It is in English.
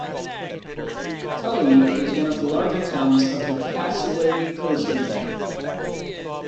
Tully is one of the larger towns of the Cassowary Coast Region.